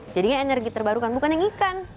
jadinya energi terbarukan bukan yang ikan